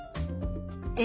え？